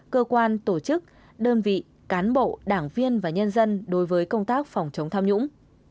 cơ quan tổ chức đơn vị cán bộ đảng viên và nhân dân đối với công tác phòng chống tham nhũng